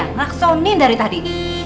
ngeraksonin dari tadi